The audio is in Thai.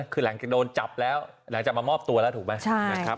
คือหลังจากโดนจับแล้วหลังจากมามอบตัวแล้วถูกไหมนะครับ